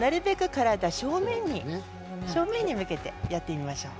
体は正面に向けてやってみましょう。